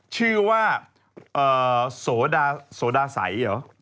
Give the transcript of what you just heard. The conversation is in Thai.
ชื่อว่าโสดาไส